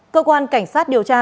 cơ quan cảnh sát điều tra